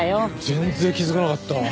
全然気づかなかったわ。